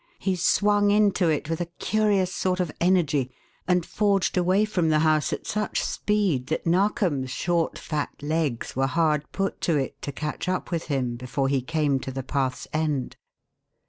He swung into it with a curious sort of energy and forged away from the house at such speed that Narkom's short, fat legs were hard put to it to catch up with him before he came to the path's end.